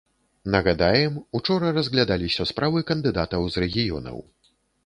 Нагадаем, учора разглядаліся справы кандыдатаў з рэгіёнаў.